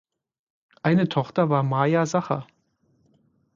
Eine Tochter war Maja Sacher.